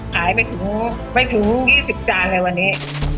ขายไม่ถึง๒๐จานเลยวันนี้